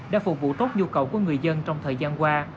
để phục vụ tốt nhu cầu của người dân trong thời gian qua